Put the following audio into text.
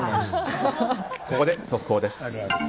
ここで速報です。